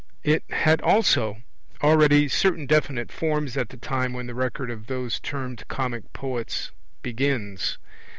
It had also already certain definite forms at the time when the record of those termed comic poets begins.